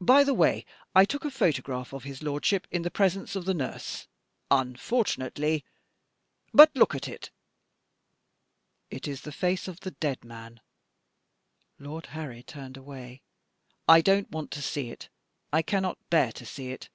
By the way, I took a photograph of his lordship in the presence of the nurse. Unfortunately but look at it " "It is the face of the dead man" Lord Harry turned away. "I don't want to see it. I cannot bear to see it.